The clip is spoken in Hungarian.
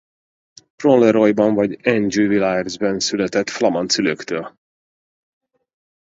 Pronleroy-ban vagy Angivillers-ben született flamand szülőktől.